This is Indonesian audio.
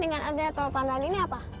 dengan adanya tol pandaan ini apa